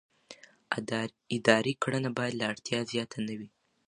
اداري کړنه باید له اړتیا زیاته نه وي.